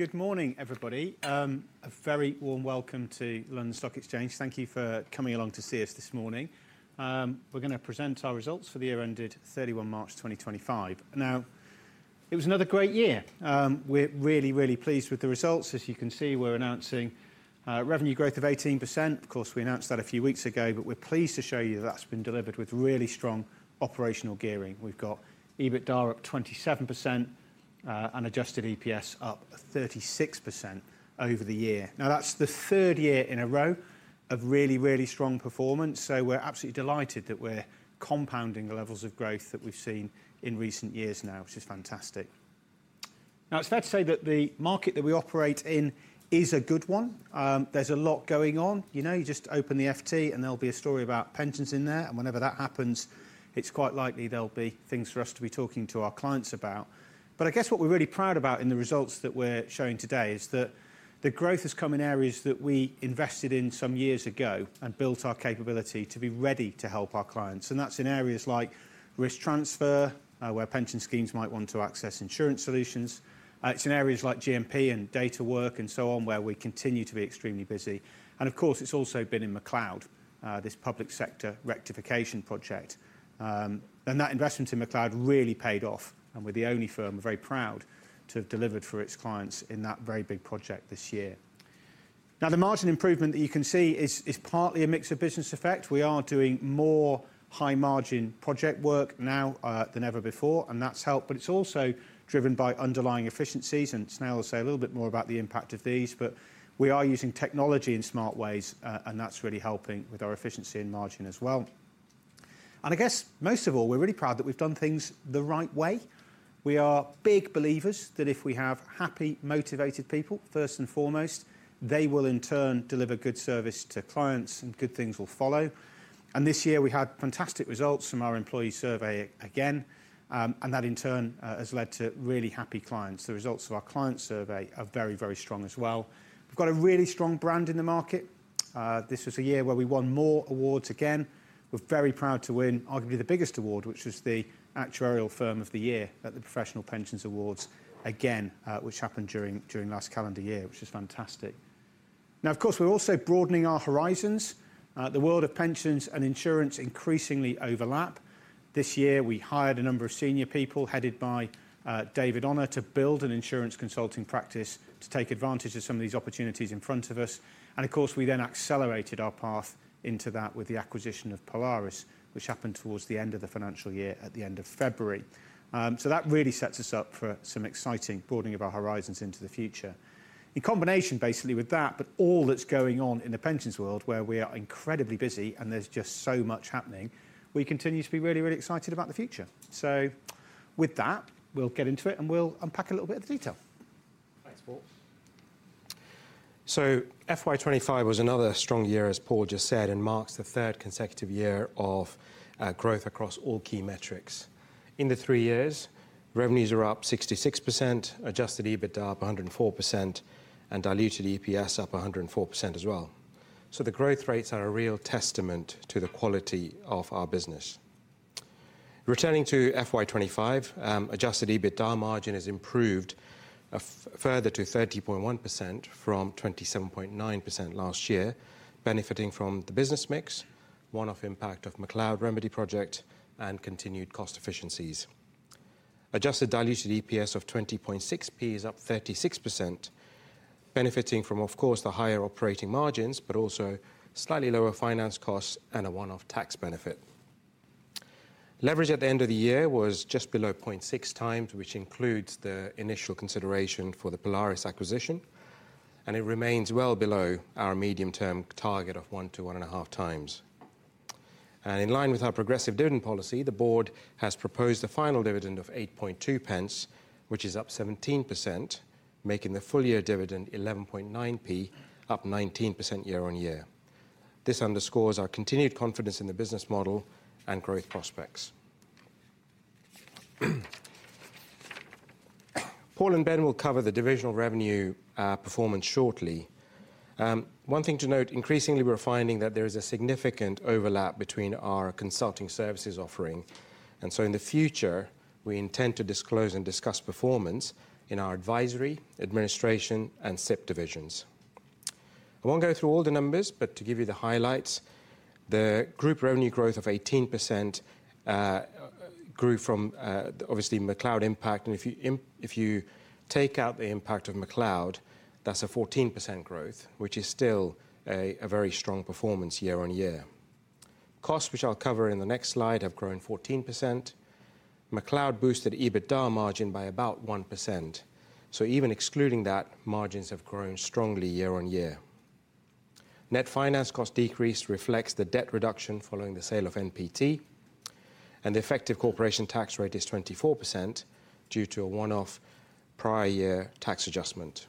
Good morning, everybody. A very warm welcome to London Stock Exchange. Thank you for coming along to see us this morning. We're going to present our results for the year ended 31 March 2025. Now, it was another great year. We're really, really pleased with the results. As you can see, we're announcing revenue growth of 18%. Of course, we announced that a few weeks ago, but we're pleased to show you that that's been delivered with really strong operational gearing. We've got EBITDA up 27% and adjusted EPS up 36% over the year. Now, that's the third year in a row of really, really strong performance. We are absolutely delighted that we're compounding the levels of growth that we've seen in recent years now, which is fantastic. Now, it's fair to say that the market that we operate in is a good one. There's a lot going on. You know, you just open the FT and there'll be a story about pensions in there. Whenever that happens, it's quite likely there'll be things for us to be talking to our clients about. I guess what we're really proud about in the results that we're showing today is that the growth has come in areas that we invested in some years ago and built our capability to be ready to help our clients. That's in areas like risk transfer, where pension schemes might want to access insurance solutions. It's in areas like GMP and data work and so on, where we continue to be extremely busy. Of course, it's also been in the McCloud, this public sector rectification project. That investment in the McCloud really paid off. We are the only firm we are very proud to have delivered for its clients in that very big project this year. The margin improvement that you can see is partly a mix of business effect. We are doing more high margin project work now than ever before, and that has helped. It is also driven by underlying efficiencies. Snehal will say a little bit more about the impact of these. We are using technology in smart ways, and that is really helping with our efficiency and margin as well. I guess most of all, we are really proud that we have done things the right way. We are big believers that if we have happy, motivated people, first and foremost, they will in turn deliver good service to clients and good things will follow. This year we had fantastic results from our employee survey again, and that in turn has led to really happy clients. The results of our client survey are very, very strong as well. We have a really strong brand in the market. This was a year where we won more awards again. We are very proud to win arguably the biggest award, which was the actuarial firm of the year at the Professional Pensions Awards again, which happened during last calendar year, which is fantastic. Of course, we are also broadening our horizons. The world of pensions and insurance increasingly overlap. This year we hired a number of senior people headed by David Honour to build an insurance consulting practice to take advantage of some of these opportunities in front of us. Of course, we then accelerated our path into that with the acquisition of Polaris, which happened towards the end of the financial year at the end of February. That really sets us up for some exciting broadening of our horizons into the future. In combination basically with that, but all that's going on in the pensions world, where we are incredibly busy and there's just so much happening, we continue to be really, really excited about the future. With that, we'll get into it and we'll unpack a little bit of the detail. Thanks, Paul. FY25 was another strong year, as Paul just said, and marks the third consecutive year of growth across all key metrics. In the three years, revenues are up 66%, adjusted EBITDA up 104%, and diluted EPS up 104% as well. The growth rates are a real testament to the quality of our business. Returning to FY25, adjusted EBITDA margin has improved further to 30.1% from 27.9% last year, benefiting from the business mix, one-off impact of McCloud Remedy Project, and continued cost efficiencies. Adjusted diluted EPS of 0.206 is up 36%, benefiting from, of course, the higher operating margins, but also slightly lower finance costs and a one-off tax benefit. Leverage at the end of the year was just below 0.6 times, which includes the initial consideration for the Polaris acquisition, and it remains well below our medium-term target of one to one and a half times. In line with our progressive dividend policy, the board has proposed a final dividend of GBP .082, which is up 17%, making the full year dividend 0.119, up 19% year on year. This underscores our continued confidence in the business model and growth prospects. Paul and Ben will cover the divisional revenue performance shortly. One thing to note, increasingly we are finding that there is a significant overlap between our consulting services offering. In the future, we intend to disclose and discuss performance in our advisory, administration, and SIP divisions. I will not go through all the numbers, but to give you the highlights, the group revenue growth of 18% grew from obviously McCloud impact. If you take out the impact of McCloud, that is a 14% growth, which is still a very strong performance year on year. Costs, which I will cover in the next slide, have grown 14%. McCloud boosted EBITDA margin by about 1%. Even excluding that, margins have grown strongly year on year. Net finance cost decrease reflects the debt reduction following the sale of NPT, and the effective corporation tax rate is 24% due to a one-off prior year tax adjustment.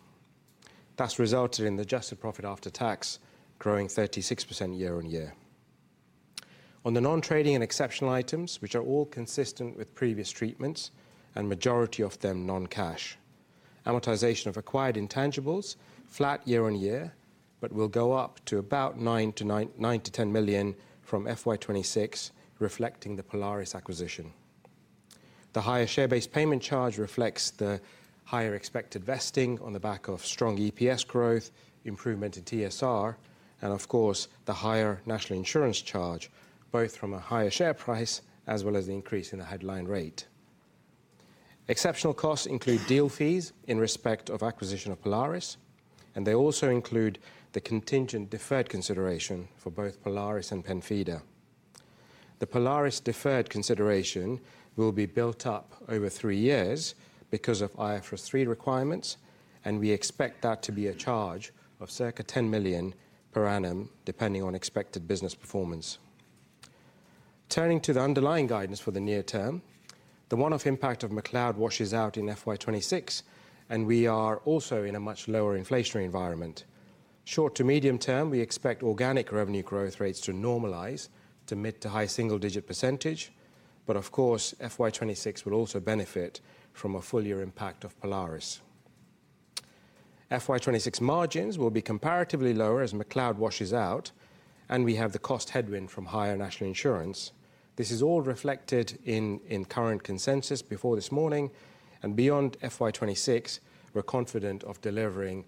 That has resulted in the adjusted profit after tax growing 36% year on year. On the non-trading and exceptional items, which are all consistent with previous treatments and the majority of them non-cash, amortization of acquired intangibles is flat year on year, but will go up to about 9 million-10 million from FY2026, reflecting the Polaris acquisition. The higher share-based payment charge reflects the higher expected vesting on the back of strong EPS growth, improvement in TSR, and of course, the higher national insurance charge, both from a higher share price as well as the increase in the headline rate. Exceptional costs include deal fees in respect of acquisition of Polaris, and they also include the contingent deferred consideration for both Polaris and Penfida. The Polaris deferred consideration will be built up over three years because of IFRS 3 requirements, and we expect that to be a charge of 10 million per annum, depending on expected business performance. Turning to the underlying guidance for the near term, the one-off impact of McCloud washes out in FY2026, and we are also in a much lower inflationary environment. Short to medium term, we expect organic revenue growth rates to normalize to mid to high single-digit percentage, but of course, FY2026 will also benefit from a full year impact of Polaris. FY2026 margins will be comparatively lower as McCloud washes out, and we have the cost headwind from higher national insurance. This is all reflected in current consensus before this morning. Beyond FY2026, we're confident of delivering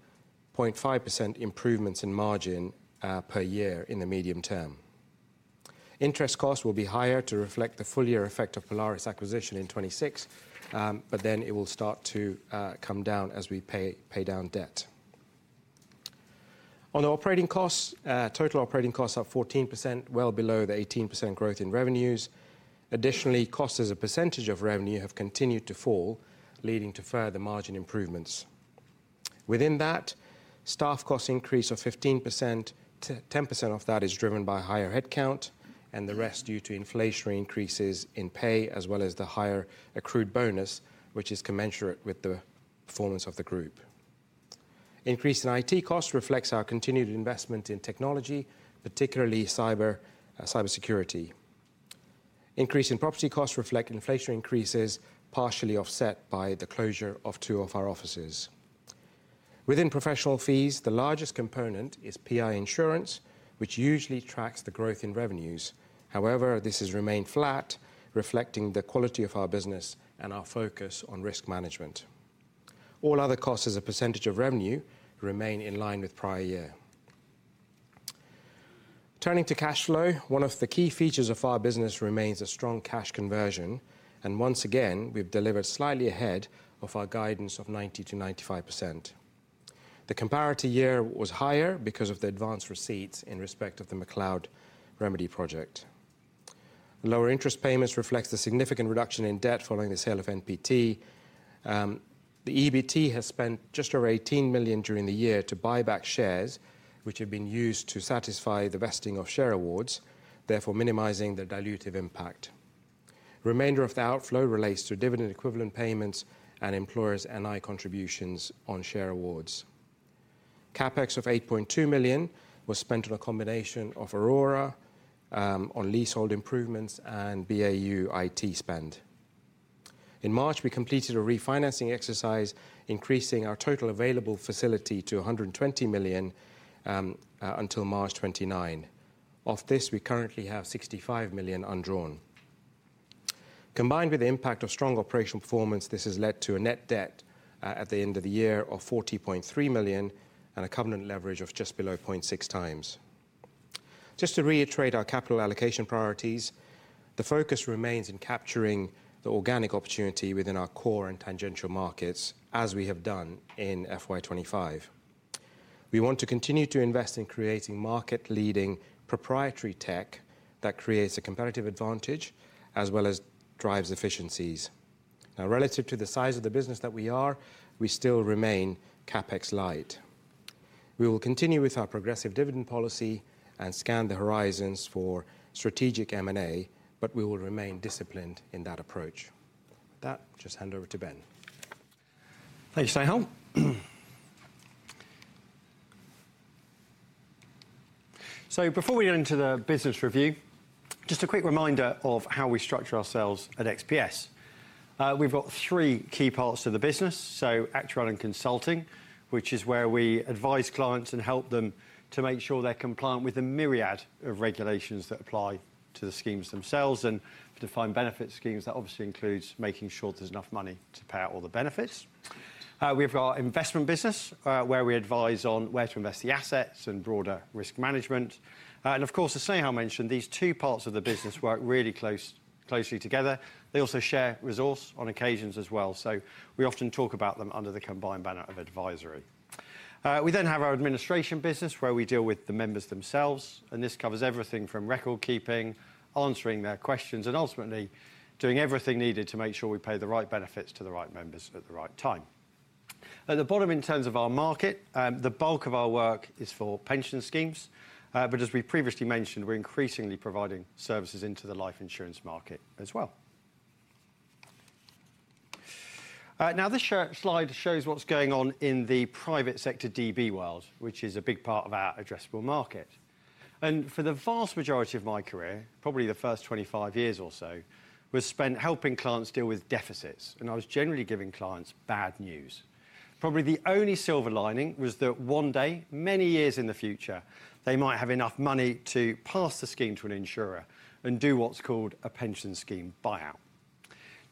0.5% improvements in margin per year in the medium term. Interest costs will be higher to reflect the full year effect of the Polaris acquisition in 2026, but then it will start to come down as we pay down debt. On the operating costs, total operating costs are 14%, well below the 18% growth in revenues. Additionally, costs as a percentage of revenue have continued to fall, leading to further margin improvements. Within that, staff costs increase of 15%. 10% of that is driven by higher headcount and the rest due to inflationary increases in pay, as well as the higher accrued bonus, which is commensurate with the performance of the group. Increase in IT costs reflects our continued investment in technology, particularly cyber security. Increase in property costs reflects inflationary increases, partially offset by the closure of two of our offices. Within professional fees, the largest component is PI insurance, which usually tracks the growth in revenues. However, this has remained flat, reflecting the quality of our business and our focus on risk management. All other costs as a percentage of revenue remain in line with prior year. Turning to cash flow, one of the key features of our business remains a strong cash conversion, and once again, we've delivered slightly ahead of our guidance of 90%-95%. The comparator year was higher because of the advanced receipts in respect of the McCloud Remedy Project. Lower interest payments reflect the significant reduction in debt following the sale of NPT. The EBT has spent just over 18 million during the year to buy back shares, which have been used to satisfy the vesting of share awards, therefore minimizing the dilutive impact. Remainder of the outflow relates to dividend equivalent payments and employer's NI contributions on share awards. CapEx of 8.2 million was spent on a combination of Aurora, on leasehold improvements, and BAU IT spend. In March, we completed a refinancing exercise, increasing our total available facility to 120 million until March 2029. Of this, we currently have 65 million undrawn. Combined with the impact of strong operational performance, this has led to a net debt at the end of the year of 40.3 million and a covenant leverage of just below 0.6 times. Just to reiterate our capital allocation priorities, the focus remains in capturing the organic opportunity within our core and tangential markets, as we have done in FY2025. We want to continue to invest in creating market-leading proprietary tech that creates a competitive advantage as well as drives efficiencies. Now, relative to the size of the business that we are, we still remain CapEx light. We will continue with our progressive dividend policy and scan the horizons for strategic M&A, but we will remain disciplined in that approach. With that, I'll just hand over to Ben. Thanks, Snehal. Before we get into the business review, just a quick reminder of how we structure ourselves at XPS. We've got three key parts to the business. Actuarial and consulting, which is where we advise clients and help them to make sure they're compliant with a myriad of regulations that apply to the schemes themselves and defined benefits schemes. That obviously includes making sure there's enough money to pay out all the benefits. We have our investment business, where we advise on where to invest the assets and broader risk management. Of course, as Snehal mentioned, these two parts of the business work really closely together. They also share resource on occasions as well. We often talk about them under the combined banner of advisory. We then have our administration business, where we deal with the members themselves. This covers everything from record keeping, answering their questions, and ultimately doing everything needed to make sure we pay the right benefits to the right members at the right time. At the bottom, in terms of our market, the bulk of our work is for pension schemes. As we previously mentioned, we're increasingly providing services into the life insurance market as well. This slide shows what's going on in the private sector DB world, which is a big part of our addressable market. For the vast majority of my career, probably the first 25 years or so, was spent helping clients deal with deficits. I was generally giving clients bad news. Probably the only silver lining was that one day, many years in the future, they might have enough money to pass the scheme to an insurer and do what's called a pension scheme buyout.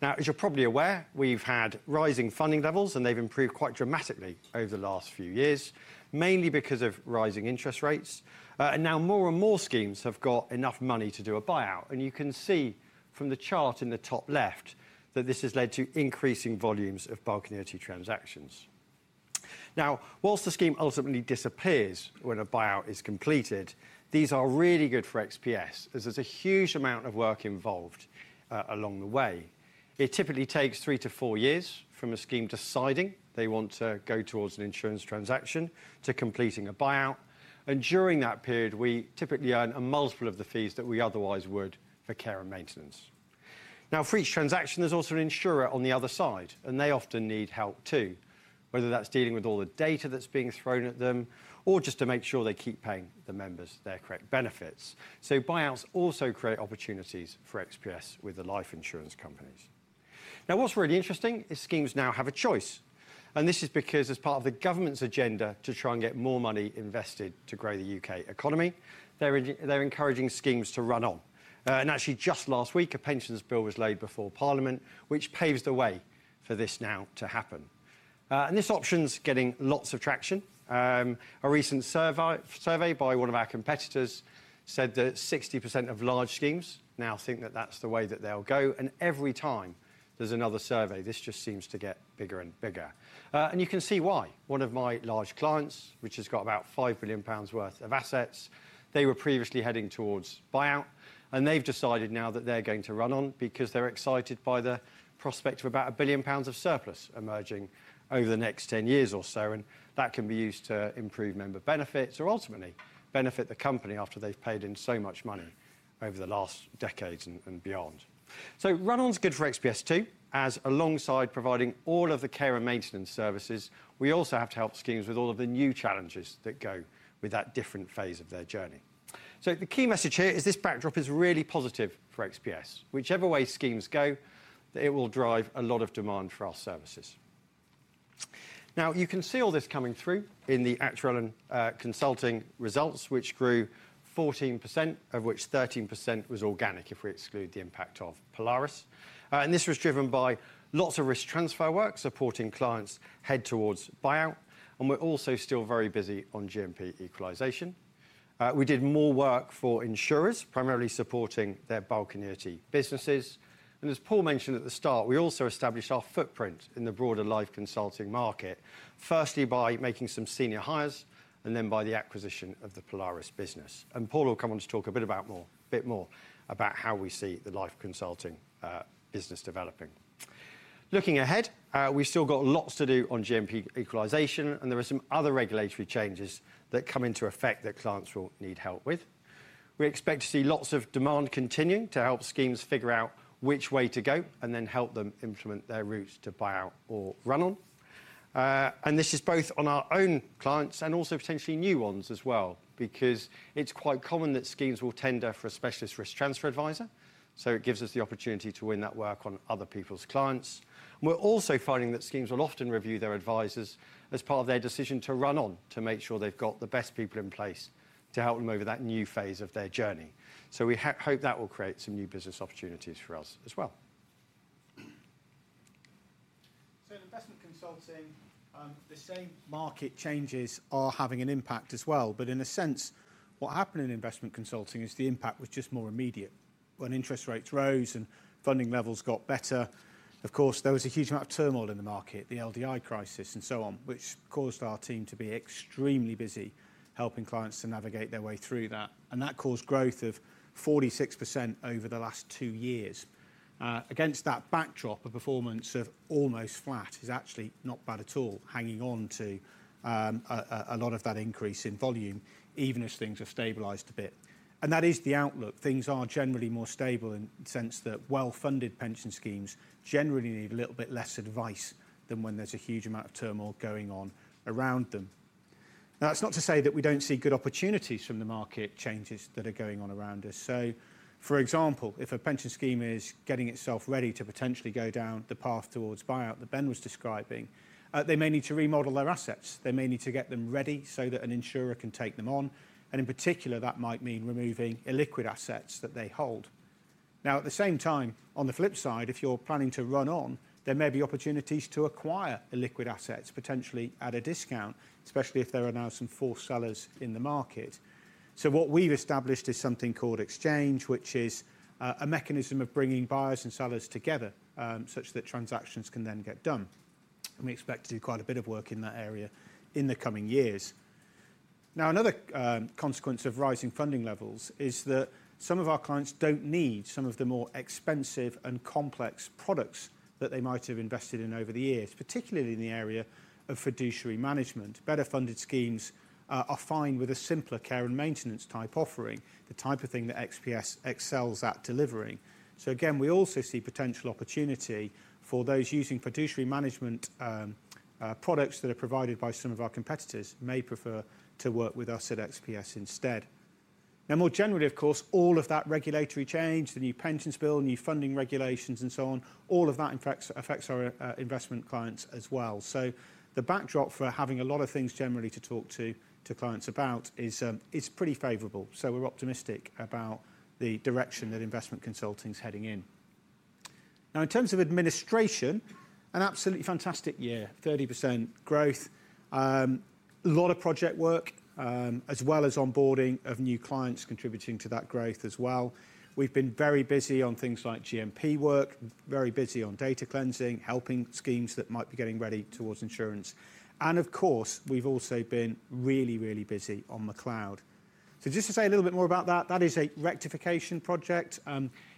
Now, as you're probably aware, we've had rising funding levels, and they've improved quite dramatically over the last few years, mainly because of rising interest rates. Now more and more schemes have got enough money to do a buyout. You can see from the chart in the top left that this has led to increasing volumes of bulk and annuity transactions. Whilst the scheme ultimately disappears when a buyout is completed, these are really good for XPS, as there's a huge amount of work involved along the way. It typically takes three to four years from a scheme deciding they want to go towards an insurance transaction to completing a buyout. During that period, we typically earn a multiple of the fees that we otherwise would for care and maintenance. Now, for each transaction, there's also an insurer on the other side, and they often need help too, whether that's dealing with all the data that's being thrown at them or just to make sure they keep paying the members their correct benefits. Buyouts also create opportunities for XPS with the life insurance companies. What's really interesting is schemes now have a choice. This is because, as part of the government's agenda to try and get more money invested to grow the U.K. economy, they're encouraging schemes to run on. Actually, just last week, a pensions bill was laid before Parliament, which paves the way for this now to happen. This option's getting lots of traction. A recent survey by one of our competitors said that 60% of large schemes now think that that's the way that they'll go. Every time there is another survey, this just seems to get bigger and bigger. You can see why. One of my large clients, which has got about 5 billion pounds worth of assets, they were previously heading towards buyout, and they have decided now that they are going to run on because they are excited by the prospect of about 1 billion pounds of surplus emerging over the next 10 years or so. That can be used to improve member benefits or ultimately benefit the company after they have paid in so much money over the last decades and beyond. Run-ons are good for XPS too, as alongside providing all of the care and maintenance services, we also have to help schemes with all of the new challenges that go with that different phase of their journey. The key message here is this backdrop is really positive for XPS. Whichever way schemes go, it will drive a lot of demand for our services. Now, you can see all this coming through in the actuarial and consulting results, which grew 14%, of which 13% was organic if we exclude the impact of Polaris. This was driven by lots of risk transfer work supporting clients' head towards buyout. We are also still very busy on GMP equalization. We did more work for insurers, primarily supporting their bulk and annuity businesses. As Paul mentioned at the start, we also established our footprint in the broader life consulting market, firstly by making some senior hires and then by the acquisition of the Polaris business. Paul will come on to talk a bit more about how we see the life consulting business developing. Looking ahead, we've still got lots to do on GMP equalization, and there are some other regulatory changes that come into effect that clients will need help with. We expect to see lots of demand continuing to help schemes figure out which way to go and then help them implement their routes to buyout or run-on. This is both on our own clients and also potentially new ones as well, because it's quite common that schemes will tender for a specialist risk transfer advisor. It gives us the opportunity to win that work on other people's clients. We're also finding that schemes will often review their advisors as part of their decision to run on to make sure they've got the best people in place to help them over that new phase of their journey. We hope that will create some new business opportunities for us as well. In investment consulting, the same market changes are having an impact as well. In a sense, what happened in investment consulting is the impact was just more immediate. When interest rates rose and funding levels got better, of course, there was a huge amount of turmoil in the market, the LDI crisis and so on, which caused our team to be extremely busy helping clients to navigate their way through that. That caused growth of 46% over the last two years. Against that backdrop, a performance of almost flat is actually not bad at all, hanging on to a lot of that increase in volume, even as things have stabilized a bit. That is the outlook. Things are generally more stable in the sense that well-funded pension schemes generally need a little bit less advice than when there is a huge amount of turmoil going on around them. That is not to say that we do not see good opportunities from the market changes that are going on around us. For example, if a pension scheme is getting itself ready to potentially go down the path towards buyout that Ben was describing, they may need to remodel their assets. They may need to get them ready so that an insurer can take them on. In particular, that might mean removing illiquid assets that they hold. At the same time, on the flip side, if you are planning to run on, there may be opportunities to acquire illiquid assets, potentially at a discount, especially if there are now some forced sellers in the market. What we have established is something called Xchange, which is a mechanism of bringing buyers and sellers together such that transactions can then get done. We expect to do quite a bit of work in that area in the coming years. Another consequence of rising funding levels is that some of our clients do not need some of the more expensive and complex products that they might have invested in over the years, particularly in the area of fiduciary management. Better funded schemes are fine with a simpler care and maintenance type offering, the type of thing that XPS excels at delivering. We also see potential opportunity for those using fiduciary management products that are provided by some of our competitors who may prefer to work with us at XPS instead. Now, more generally, of course, all of that regulatory change, the new pensions bill, new funding regulations, and so on, all of that affects our investment clients as well. The backdrop for having a lot of things generally to talk to clients about is pretty favorable. We're optimistic about the direction that investment consulting is heading in. In terms of administration, an absolutely fantastic year, 30% growth, a lot of project work, as well as onboarding of new clients contributing to that growth as well. We've been very busy on things like GMP work, very busy on data cleansing, helping schemes that might be getting ready towards insurance. Of course, we've also been really, really busy on McCloud. Just to say a little bit more about that, that is a rectification project.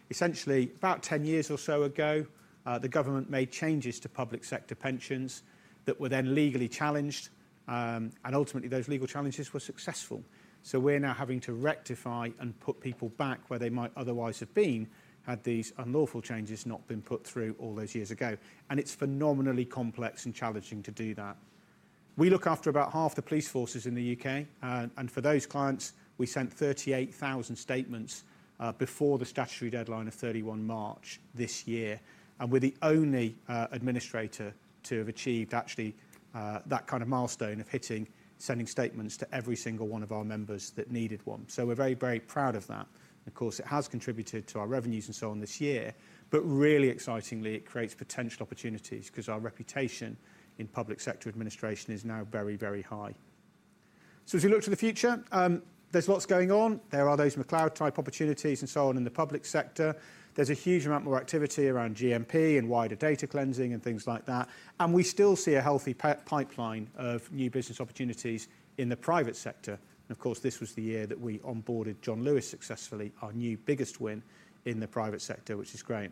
Essentially, about 10 years or so ago, the government made changes to public sector pensions that were then legally challenged. Ultimately, those legal challenges were successful. We are now having to rectify and put people back where they might otherwise have been had these unlawful changes not been put through all those years ago. It is phenomenally complex and challenging to do that. We look after about half the police forces in the U.K. For those clients, we sent 38,000 statements before the statutory deadline of 31 March this year. We are the only administrator to have achieved actually that kind of milestone of hitting, sending statements to every single one of our members that needed one. We are very, very proud of that. Of course, it has contributed to our revenues and so on this year. Really excitingly, it creates potential opportunities because our reputation in public sector administration is now very, very high. As we look to the future, there is lots going on. There are those McCloud type opportunities and so on in the public sector. There is a huge amount more activity around GMP and wider data cleansing and things like that. We still see a healthy pipeline of new business opportunities in the private sector. Of course, this was the year that we onboarded John Lewis successfully, our new biggest win in the private sector, which is great.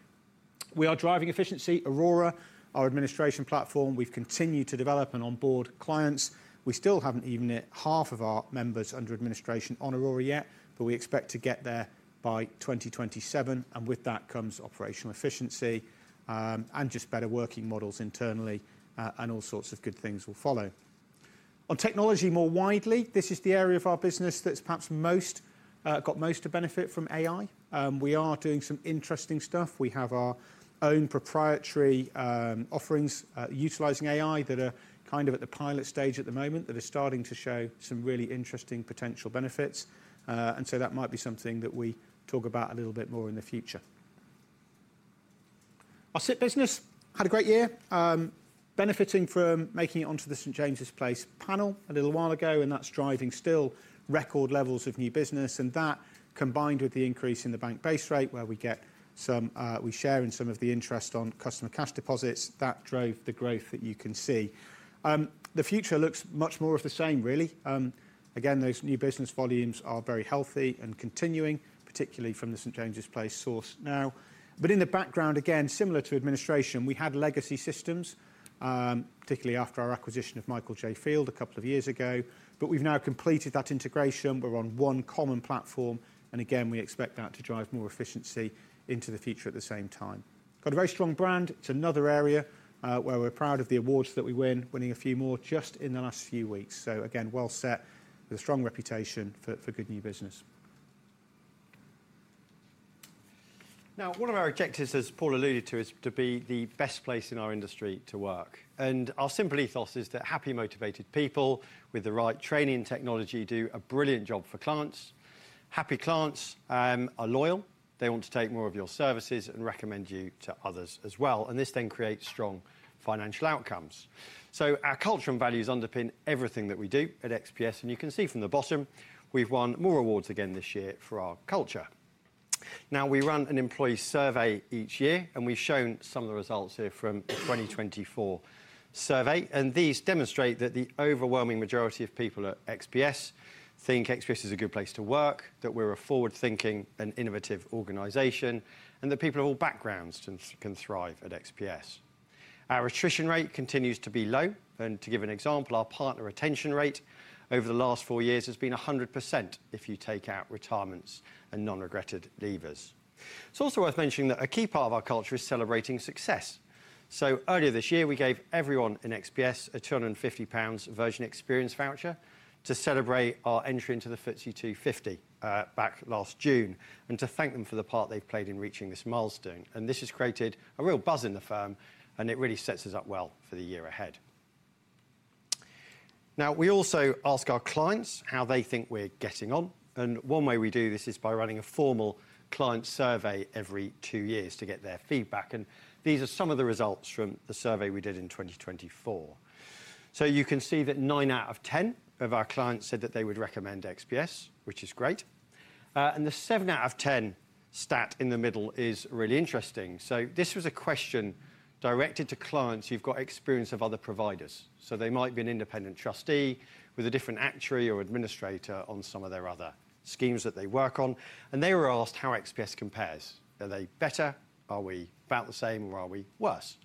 We are driving efficiency, Aurora, our administration platform. We have continued to develop and onboard clients. We still have not even hit half of our members under administration on Aurora yet, but we expect to get there by 2027. With that comes operational efficiency and just better working models internally, and all sorts of good things will follow. On technology more widely, this is the area of our business that's perhaps got most of the benefit from AI. We are doing some interesting stuff. We have our own proprietary offerings utilizing AI that are kind of at the pilot stage at the moment that are starting to show some really interesting potential benefits. That might be something that we talk about a little bit more in the future. Our SIP business had a great year, benefiting from making it onto the St. James's Place panel a little while ago. That's driving still record levels of new business. That, combined with the increase in the bank base rate, where we share in some of the interest on customer cash deposits, drove the growth that you can see. The future looks much more of the same, really. Again, those new business volumes are very healthy and continuing, particularly from the St. James's Place source now. In the background, again, similar to administration, we had legacy systems, particularly after our acquisition of Michael J. Field a couple of years ago. We have now completed that integration. We are on one common platform. Again, we expect that to drive more efficiency into the future at the same time. Got a very strong brand. It is another area where we are proud of the awards that we win, winning a few more just in the last few weeks. Again, well set with a strong reputation for good new business. Now, one of our objectives, as Paul alluded to, is to be the best place in our industry to work. Our simple ethos is that happy, motivated people with the right training and technology do a brilliant job for clients. Happy clients are loyal. They want to take more of your services and recommend you to others as well. This then creates strong financial outcomes. Our culture and values underpin everything that we do at XPS. You can see from the bottom, we have won more awards again this year for our culture. We run an employee survey each year, and we have shown some of the results here from the 2024 survey. These demonstrate that the overwhelming majority of people at XPS think XPS is a good place to work, that we're a forward-thinking and innovative organization, and that people of all backgrounds can thrive at XPS. Our attrition rate continues to be low. To give an example, our partner retention rate over the last four years has been 100% if you take out retirements and non-regretted leavers. It is also worth mentioning that a key part of our culture is celebrating success. Earlier this year, we gave everyone in XPS a 250 pounds Virgin Experience voucher to celebrate our entry into the FTSE 250 back last June and to thank them for the part they've played in reaching this milestone. This has created a real buzz in the firm, and it really sets us up well for the year ahead. Now, we also ask our clients how they think we're getting on. One way we do this is by running a formal client survey every two years to get their feedback. These are some of the results from the survey we did in 2024. You can see that nine out of 10 of our clients said that they would recommend XPS, which is great. The seven out of 10 stat in the middle is really interesting. This was a question directed to clients who have got experience of other providers. They might be an independent trustee with a different actuary or administrator on some of their other schemes that they work on. They were asked how XPS compares. Are they better? Are we about the same or are we worse?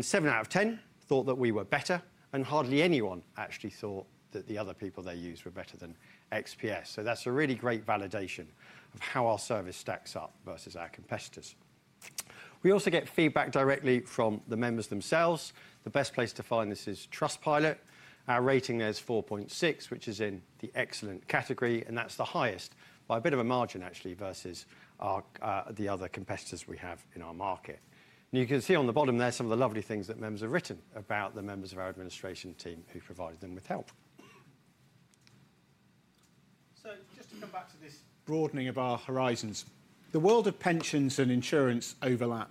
Seven out of 10 thought that we were better. Hardly anyone actually thought that the other people they used were better than XPS. That is a really great validation of how our service stacks up versus our competitors. We also get feedback directly from the members themselves. The best place to find this is Trustpilot. Our rating there is 4.6, which is in the excellent category. That is the highest by a bit of a margin, actually, versus the other competitors we have in our market. You can see on the bottom there some of the lovely things that members have written about the members of our administration team who provided them with help. To come back to this broadening of our horizons, the world of pensions and insurance overlap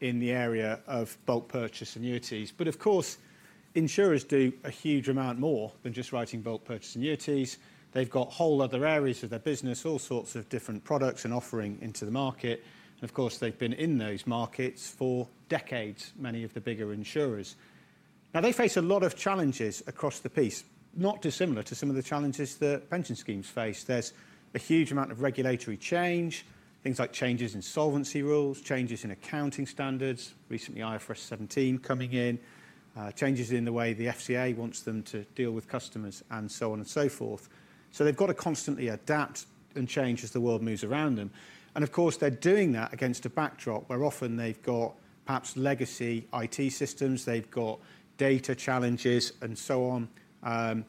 in the area of bulk purchase and utilities. Of course, insurers do a huge amount more than just writing bulk purchase and utilities. They've got whole other areas of their business, all sorts of different products and offering into the market. Of course, they've been in those markets for decades, many of the bigger insurers. Now, they face a lot of challenges across the piece, not dissimilar to some of the challenges that pension schemes face. There's a huge amount of regulatory change, things like changes in solvency rules, changes in accounting standards, recently IFRS 17 coming in, changes in the way the FCA wants them to deal with customers, and so on and so forth. They've got to constantly adapt and change as the world moves around them. Of course, they're doing that against a backdrop where often they've got perhaps legacy IT systems, they've got data challenges, and so on.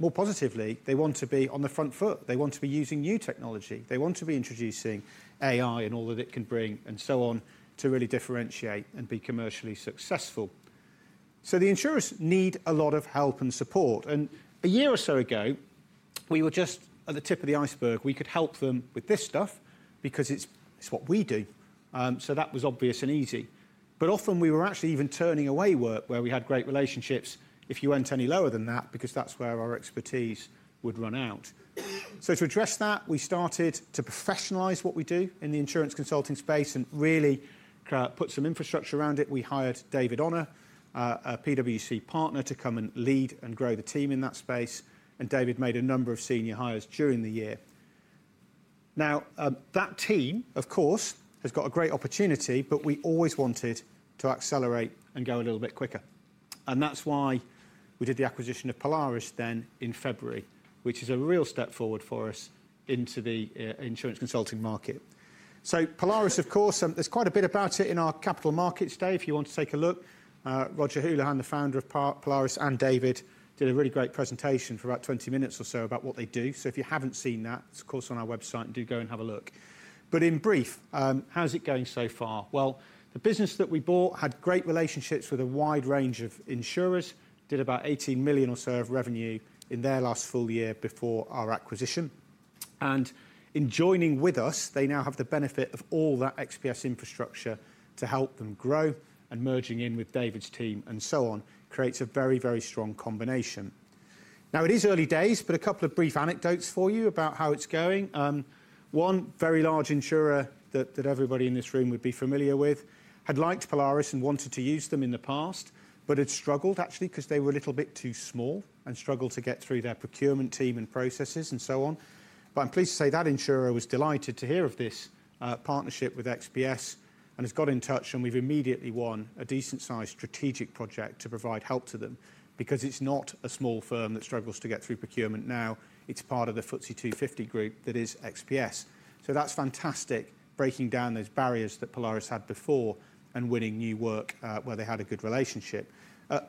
More positively, they want to be on the front foot. They want to be using new technology. They want to be introducing AI and all that it can bring and so on to really differentiate and be commercially successful. The insurers need a lot of help and support. A year or so ago, we were just at the tip of the iceberg. We could help them with this stuff because it is what we do. That was obvious and easy. Often, we were actually even turning away work where we had great relationships if you went any lower than that because that is where our expertise would run out. To address that, we started to professionalize what we do in the insurance consulting space and really put some infrastructure around it. We hired David Honour, a PwC partner, to come and lead and grow the team in that space. David made a number of senior hires during the year. Now, that team, of course, has got a great opportunity, but we always wanted to accelerate and go a little bit quicker. That is why we did the acquisition of Polaris in February, which is a real step forward for us into the insurance consulting market. Polaris, of course, there is quite a bit about it in our capital markets today. If you want to take a look, Roger Houlihan, the founder of Polaris, and David did a really great presentation for about 20 minutes or so about what they do. If you have not seen that, it is, of course, on our website. Do go and have a look. In brief, how is it going so far? The business that we bought had great relationships with a wide range of insurers, did about 18 million or so of revenue in their last full year before our acquisition. In joining with us, they now have the benefit of all that XPS infrastructure to help them grow, and merging in with David's team and so on creates a very, very strong combination. It is early days, but a couple of brief anecdotes for you about how it is going. One very large insurer that everybody in this room would be familiar with had liked Polaris and wanted to use them in the past, but had struggled actually because they were a little bit too small and struggled to get through their procurement team and processes and so on. I am pleased to say that insurer was delighted to hear of this partnership with XPS and has got in touch. We have immediately won a decent-sized strategic project to provide help to them because it is not a small firm that struggles to get through procurement now. It's part of the FTSE 250 group that is XPS. That's fantastic, breaking down those barriers that Polaris had before and winning new work where they had a good relationship.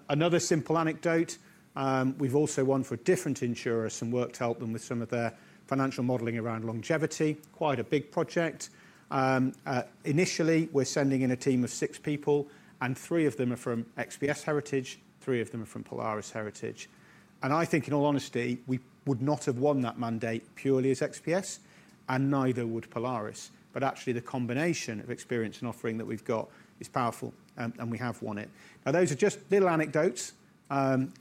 Another simple anecdote, we've also won for a different insurer some work to help them with some of their financial modeling around longevity, quite a big project. Initially, we're sending in a team of six people, and three of them are from XPS Heritage, three of them are from Polaris Heritage. I think in all honesty, we would not have won that mandate purely as XPS, and neither would Polaris. Actually, the combination of experience and offering that we've got is powerful, and we have won it. Those are just little anecdotes.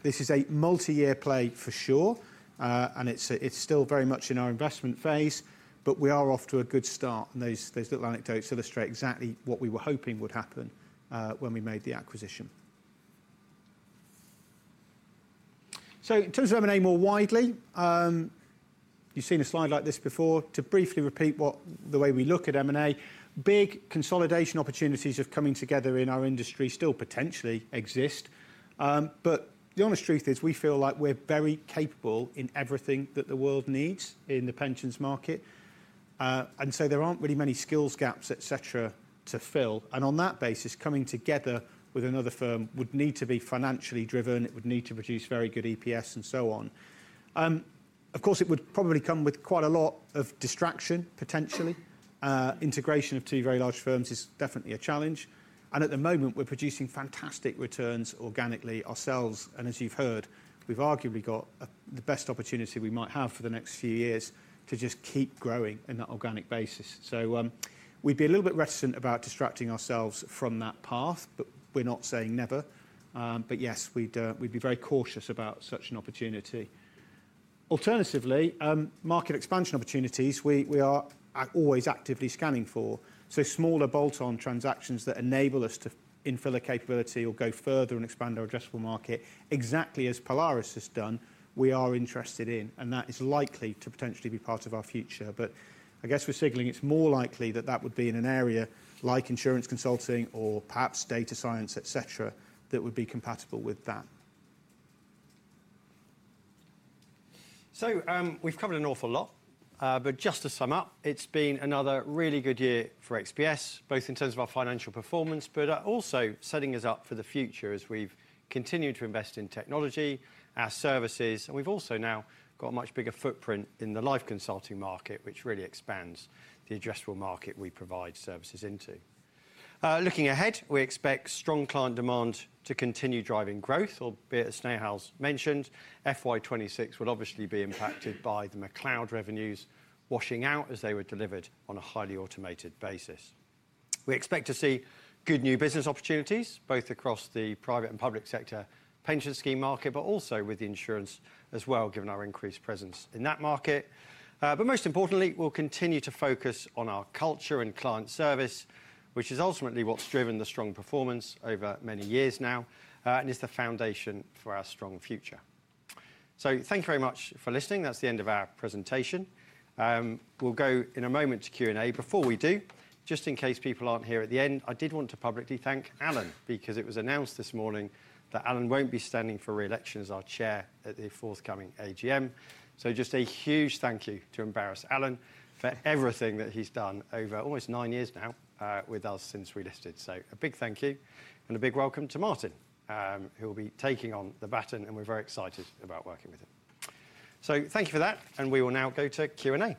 This is a multi-year play for sure, and it's still very much in our investment phase, but we are off to a good start. Those little anecdotes illustrate exactly what we were hoping would happen when we made the acquisition. In terms of M&A more widely, you have seen a slide like this before. To briefly repeat the way we look at M&A, big consolidation opportunities of coming together in our industry still potentially exist. The honest truth is we feel like we are very capable in everything that the world needs in the pensions market. There are not really many skills gaps, etc., to fill. On that basis, coming together with another firm would need to be financially driven. It would need to produce very good EPS and so on. Of course, it would probably come with quite a lot of distraction, potentially. Integration of two very large firms is definitely a challenge. At the moment, we are producing fantastic returns organically ourselves. As you have heard, we have arguably got the best opportunity we might have for the next few years to just keep growing on that organic basis. We would be a little bit reticent about distracting ourselves from that path, but we are not saying never. Yes, we would be very cautious about such an opportunity. Alternatively, market expansion opportunities we are always actively scanning for. Smaller bolt-on transactions that enable us to infill a capability or go further and expand our addressable market, exactly as Polaris has done, we are interested in. That is likely to potentially be part of our future. I guess we are signaling it is more likely that that would be in an area like insurance consulting or perhaps data science, etc., that would be compatible with that. We have covered an awful lot. To sum up, it's been another really good year for XPS, both in terms of our financial performance, but also setting us up for the future as we've continued to invest in technology, our services. We've also now got a much bigger footprint in the life consulting market, which really expands the addressable market we provide services into. Looking ahead, we expect strong client demand to continue driving growth, albeit as Snehal mentioned. FY2026 will obviously be impacted by the McCloud revenues washing out as they were delivered on a highly automated basis. We expect to see good new business opportunities both across the private and public sector pension scheme market, but also with insurance as well, given our increased presence in that market. But most importantly, we'll continue to focus on our culture and client service, which is ultimately what's driven the strong performance over many years now and is the foundation for our strong future. Thank you very much for listening. That's the end of our presentation. We'll go in a moment to Q&A. Before we do, just in case people aren't here at the end, I did want to publicly thank Alan because it was announced this morning that Alan won't be standing for re-election as our chair at the forthcoming AGM. Just a huge thank you to embarrass Alan for everything that he's done over almost nine years now with us since we listed. A big thank you and a big welcome to Martin, who will be taking on the baton. We're very excited about working with him. Thank you for that. We will now go to Q&A.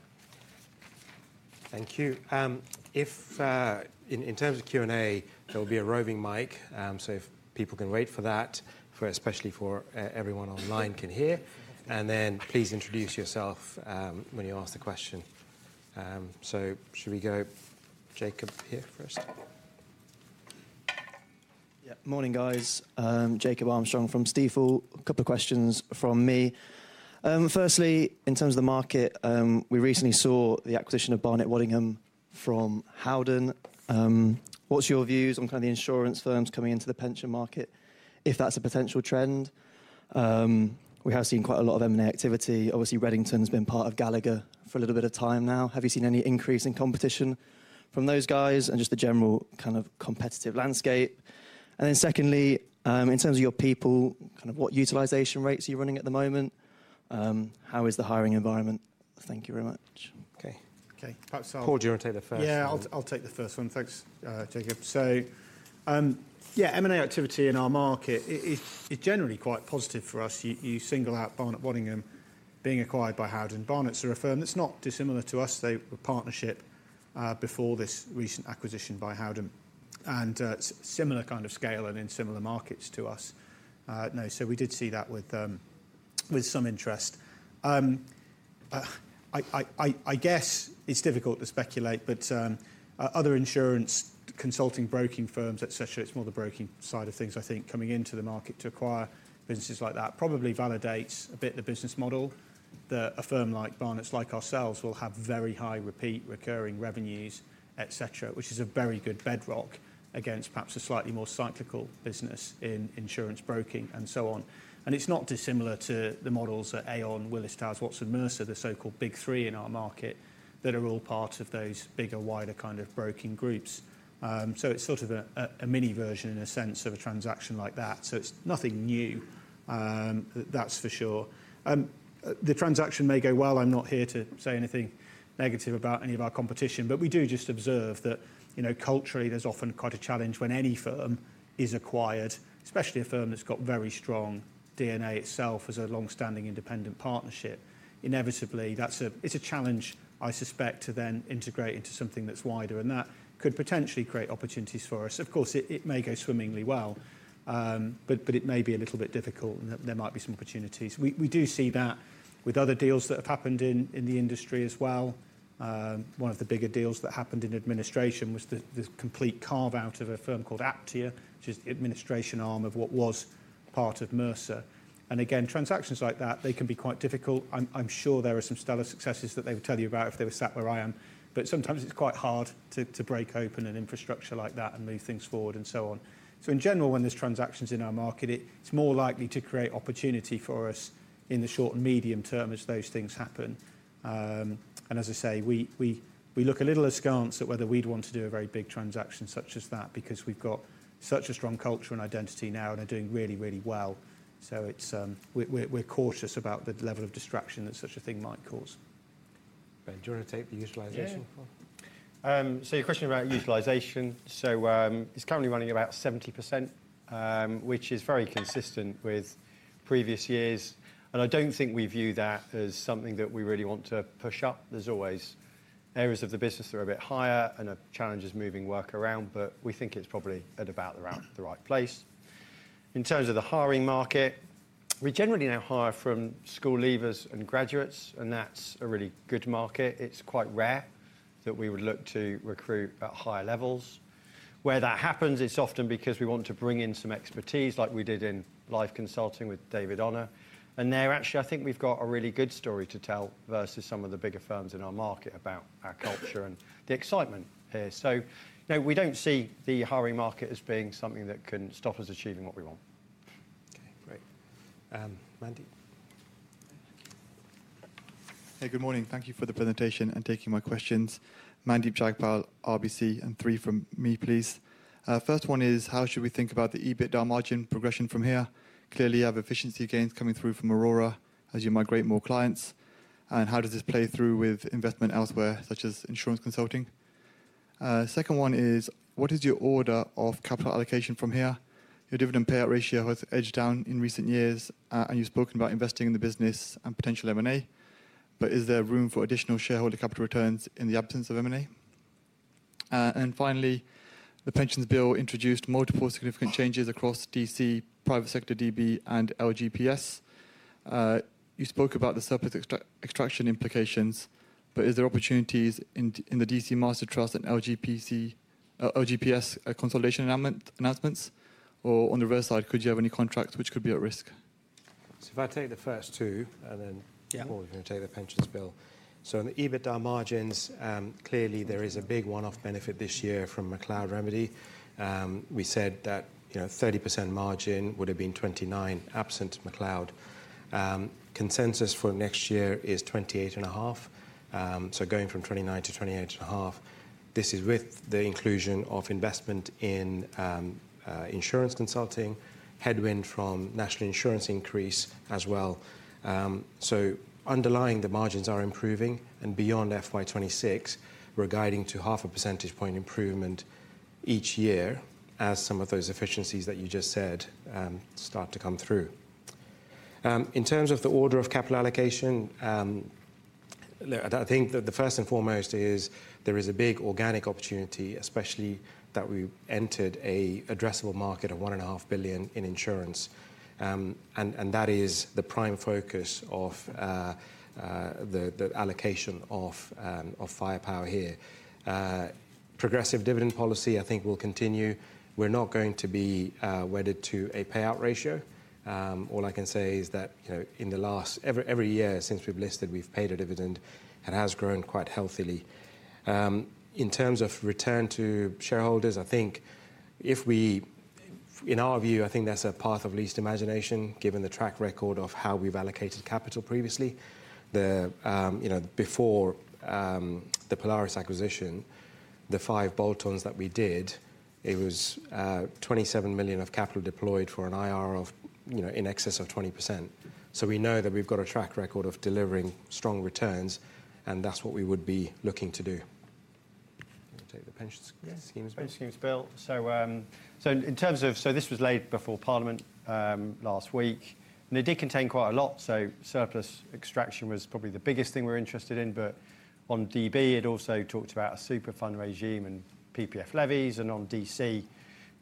Thank you. In terms of Q&A, there will be a roving mic. If people can wait for that, especially so everyone online can hear. Please introduce yourself when you ask the question. Should we go Jacob here first? Yeah. Morning, guys. Jacob Armstrong from Stifel. A couple of questions from me. Firstly, in terms of the market, we recently saw the acquisition of Barnett Waddingham from Howden. What are your views on kind of the insurance firms coming into the pension market, if that's a potential trend? We have seen quite a lot of M&A activity. Obviously, Redington has been part of Gallagher for a little bit of time now. Have you seen any increase in competition from those guys and just the general kind of competitive landscape? Secondly, in terms of your people, kind of what utilization rates are you running at the moment? How is the hiring environment? Thank you very much. Okay. Okay. Paul, do you want to take the first one? Yeah, I'll take the first one. Thanks, Jacob. M&A activity in our market is generally quite positive for us. You single out Barnett Waddingham being acquired by Howden. Barnett's are a firm that's not dissimilar to us. They were a partnership before this recent acquisition by Howden. Similar kind of scale and in similar markets to us. We did see that with some interest. I guess it's difficult to speculate, but other insurance consulting broking firms, etc., it's more the broking side of things, I think, coming into the market to acquire businesses like that probably validates a bit the business model that a firm like Barnett's like ourselves will have very high repeat recurring revenues, etc., which is a very good bedrock against perhaps a slightly more cyclical business in insurance broking and so on. It is not dissimilar to the models that Aon, Willis Towers Watson, Mercer, the so-called big three in our market, that are all part of those bigger, wider kind of broking groups. It is sort of a mini version, in a sense, of a transaction like that. It is nothing new, that is for sure. The transaction may go well. I am not here to say anything negative about any of our competition, but we do just observe that culturally, there is often quite a challenge when any firm is acquired, especially a firm that has got very strong DNA itself as a long-standing independent partnership. Inevitably, it is a challenge, I suspect, to then integrate into something that is wider. That could potentially create opportunities for us. Of course, it may go swimmingly well, but it may be a little bit difficult, and there might be some opportunities. We do see that with other deals that have happened in the industry as well. One of the bigger deals that happened in administration was the complete carve-out of a firm called Aptior, which is the administration arm of what was part of Mercer. Transactions like that, they can be quite difficult. I'm sure there are some stellar successes that they would tell you about if they were sat where I am. Sometimes it's quite hard to break open an infrastructure like that and move things forward and so on. In general, when there's transactions in our market, it's more likely to create opportunity for us in the short and medium term as those things happen. As I say, we look a little askance at whether we'd want to do a very big transaction such as that because we've got such a strong culture and identity now and are doing really, really well. We are cautious about the level of distraction that such a thing might cause. Ben, do you want to take the utilization forward? Yeah. Your question about utilization, so it's currently running about 70%, which is very consistent with previous years. I do not think we view that as something that we really want to push up. There are always areas of the business that are a bit higher and are challenges moving work around, but we think it's probably at about the right place. In terms of the hiring market, we generally now hire from school leavers and graduates, and that's a really good market. It's quite rare that we would look to recruit at higher levels. Where that happens, it's often because we want to bring in some expertise like we did in life consulting with David Honour. There, actually, I think we've got a really good story to tell versus some of the bigger firms in our market about our culture and the excitement here. We don't see the hiring market as being something that can stop us achieving what we want. Okay. Great. Mandy? Hey, good morning. Thank you for the presentation and taking my questions. Mandy Jagpal, RBC, and three from me, please. First one is, how should we think about the EBITDA margin progression from here? Clearly, you have efficiency gains coming through from Aurora as you migrate more clients. How does this play through with investment elsewhere, such as insurance consulting? Second one is, what is your order of capital allocation from here? Your dividend payout ratio has edged down in recent years, and you've spoken about investing in the business and potential M&A, but is there room for additional shareholder capital returns in the absence of M&A? Finally, the pensions bill introduced multiple significant changes across DC, private sector, DB, and LGPS. You spoke about the surplus extraction implications, but is there opportunities in the DC Master Trust and LGPS consolidation announcements? On the reverse side, could you have any contracts which could be at risk? If I take the first two, and then Paul is going to take the pensions bill. On the EBITDA margins, clearly, there is a big one-off benefit this year from McCloud Remedy. We said that 30% margin would have been 29% absent McCloud. Consensus for next year is 28.5%. Going from 29% to 28.5%, this is with the inclusion of investment in insurance consulting, headwind from national insurance increase as well. Underlying, the margins are improving. Beyond FY2026, we're guiding to half a percentage point improvement each year as some of those efficiencies that you just said start to come through. In terms of the order of capital allocation, I think that the first and foremost is there is a big organic opportunity, especially that we entered an addressable market of 1.5 billion in insurance. That is the prime focus of the allocation of firepower here. Progressive dividend policy, I think, will continue. We're not going to be wedded to a payout ratio. All I can say is that in every year since we've listed, we've paid a dividend. It has grown quite healthily. In terms of return to shareholders, I think in our view, that's a path of least imagination given the track record of how we've allocated capital previously. Before the Polaris acquisition, the five bolt-ons that we did, it was 27 million of capital deployed for an IR of in excess of 20%. We know that we've got a track record of delivering strong returns, and that's what we would be looking to do. Pensions bill. In terms of this, it was laid before Parliament last week. It did contain quite a lot. Surplus extraction was probably the biggest thing we're interested in. On DB, it also talked about a super fund regime and PPF levies. On DC, it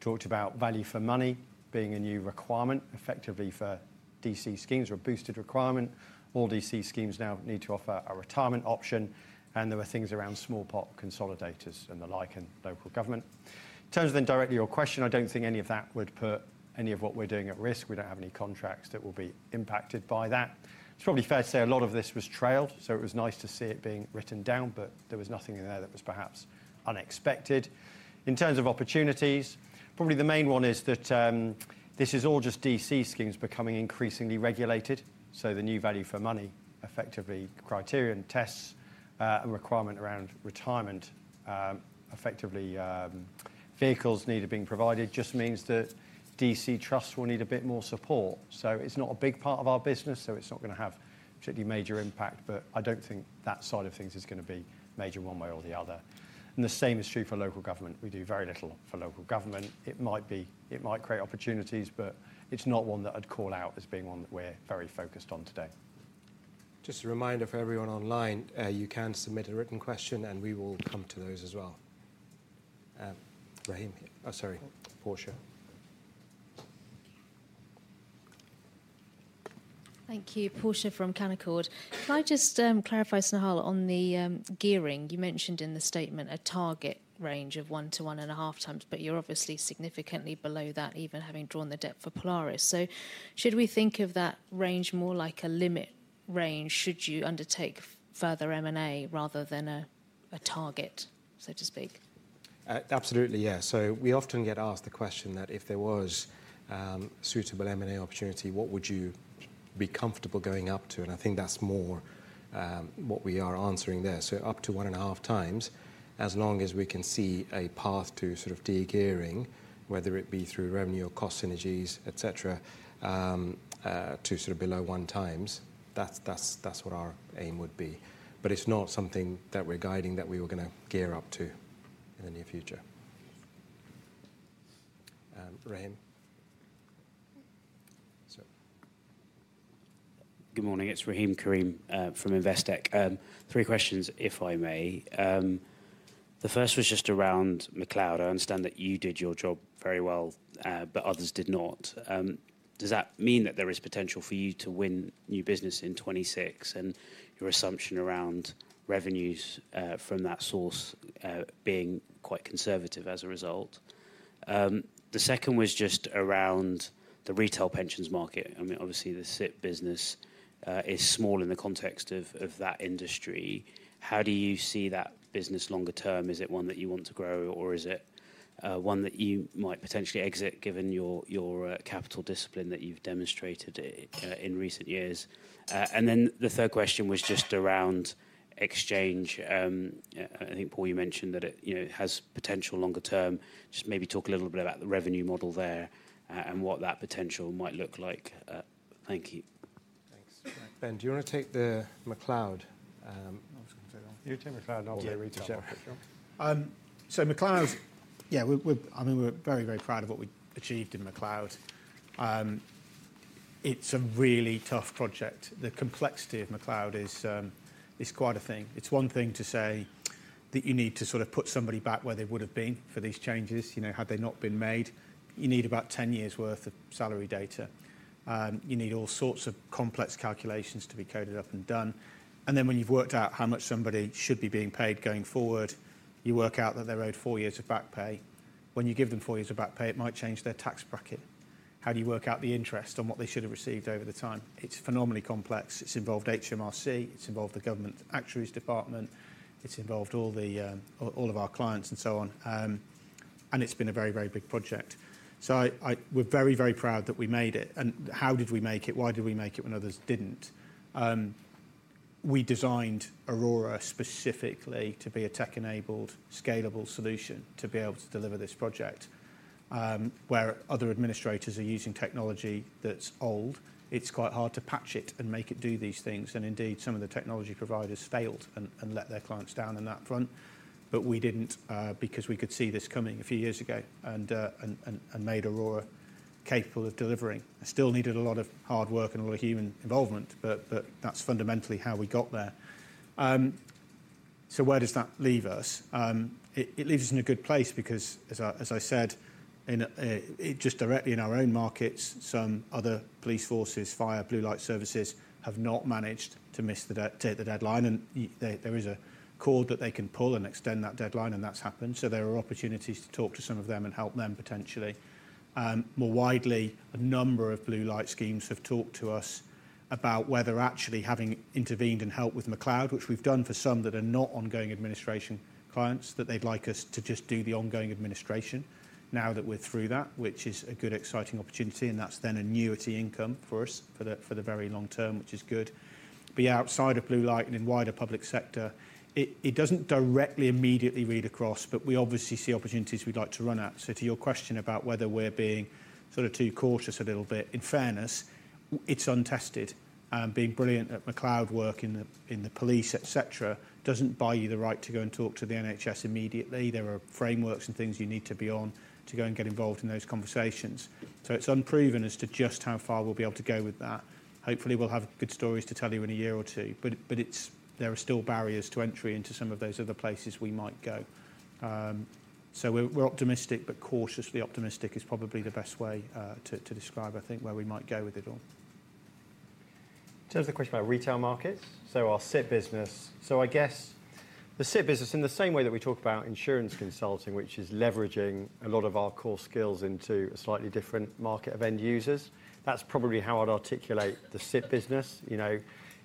talked about value for money being a new requirement effectively for DC schemes or a boosted requirement. All DC schemes now need to offer a retirement option. There were things around small-pot consolidators and the like in local government. In terms of then directly your question, I don't think any of that would put any of what we're doing at risk. We don't have any contracts that will be impacted by that. It's probably fair to say a lot of this was trailed, so it was nice to see it being written down, but there was nothing in there that was perhaps unexpected. In terms of opportunities, probably the main one is that this is all just DC schemes becoming increasingly regulated. The new value for money effectively criterion tests a requirement around retirement. Effectively, vehicles needed being provided just means that DC trusts will need a bit more support. It is not a big part of our business, so it is not going to have particularly major impact. I do not think that side of things is going to be major one way or the other. The same is true for local government. We do very little for local government. It might create opportunities, but it is not one that I would call out as being one that we are very focused on today. Just a reminder for everyone online, you can submit a written question, and we will come to those as well. Rahim here. Oh, sorry. Portia. Thank you. Portia from Canaccord. Can I just clarify, Snehal, on the gearing? You mentioned in the statement a target range of one to one and a half times, but you're obviously significantly below that, even having drawn the debt for Polaris. Should we think of that range more like a limit range should you undertake further M&A rather than a target, so to speak? Absolutely, yeah. We often get asked the question that if there was suitable M&A opportunity, what would you be comfortable going up to? I think that is more what we are answering there. Up to one and a half times, as long as we can see a path to sort of de-gearing, whether it be through revenue or cost synergies, etc., to sort of below one times, that is what our aim would be. It is not something that we are guiding that we were going to gear up to in the near future. Rahim? Good morning. It's Rahim Karim from Investec. Three questions, if I may. The first was just around McCloud. I understand that you did your job very well, but others did not. Does that mean that there is potential for you to win new business in 2026 and your assumption around revenues from that source being quite conservative as a result? The second was just around the retail pensions market. I mean, obviously, the SIP business is small in the context of that industry. How do you see that business longer term? Is it one that you want to grow, or is it one that you might potentially exit given your capital discipline that you've demonstrated in recent years? The third question was just around Xchange. I think Paul, you mentioned that it has potential longer term. Just maybe talk a little bit about the revenue model there and what that potential might look like. Thank you. Thanks. Ben, do you want to take the McCloud? I was going to say that. You take McCloud, and I'll take retails. McCloud, yeah, I mean, we're very, very proud of what we achieved in McCloud. It's a really tough project. The complexity of McCloud is quite a thing. It's one thing to say that you need to sort of put somebody back where they would have been for these changes, had they not been made. You need about 10 years' worth of salary data. You need all sorts of complex calculations to be coded up and done. When you've worked out how much somebody should be being paid going forward, you work out that they're owed four years of back pay. When you give them four years of back pay, it might change their tax bracket. How do you work out the interest on what they should have received over the time? It's phenomenally complex. It's involved HMRC. It's involved the Government Actuary's Department. It's involved all of our clients and so on. It's been a very, very big project. We're very, very proud that we made it. How did we make it? Why did we make it when others did not? We designed Aurora specifically to be a tech-enabled, scalable solution to be able to deliver this project. Where other administrators are using technology that's old, it's quite hard to patch it and make it do these things. Indeed, some of the technology providers failed and let their clients down on that front. We did not because we could see this coming a few years ago and made Aurora capable of delivering. It still needed a lot of hard work and a lot of human involvement, but that's fundamentally how we got there. Where does that leave us? It leaves us in a good place because, as I said, just directly in our own markets, some other police forces, fire, blue light services have not managed to miss the deadline. There is a cord that they can pull and extend that deadline, and that's happened. There are opportunities to talk to some of them and help them potentially. More widely, a number of blue light schemes have talked to us about whether actually having intervened and helped with McCloud, which we've done for some that are not ongoing administration clients, that they'd like us to just do the ongoing administration now that we're through that, which is a good exciting opportunity. That's then an annuity income for us for the very long term, which is good. Be outside of blue light and in wider public sector, it does not directly immediately read across, but we obviously see opportunities we would like to run at. To your question about whether we are being sort of too cautious a little bit, in fairness, it is untested. Being brilliant at McCloud work in the police, etc., does not buy you the right to go and talk to the NHS immediately. There are frameworks and things you need to be on to go and get involved in those conversations. It is unproven as to just how far we will be able to go with that. Hopefully, we will have good stories to tell you in a year or two. There are still barriers to entry into some of those other places we might go. We're optimistic, but cautiously optimistic is probably the best way to describe, I think, where we might go with it all. In terms of the question about retail markets, our SIP business, I guess the SIP business, in the same way that we talk about insurance consulting, which is leveraging a lot of our core skills into a slightly different market of end users, that's probably how I'd articulate the SIP business.